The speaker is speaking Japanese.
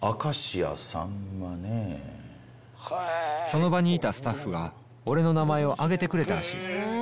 その場にいたスタッフが俺の名前を挙げてくれたらしい